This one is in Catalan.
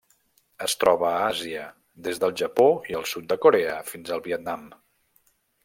Es troba a Àsia: des del Japó i el sud de Corea fins al Vietnam.